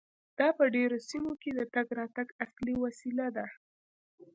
دا په ډیرو سیمو کې د تګ راتګ اصلي وسیله ده